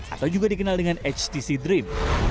atau juga dikenal dengan htc dream